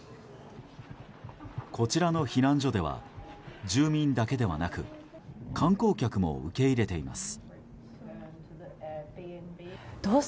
こちらの避難所では住民だけではなく観光客も受け入れています。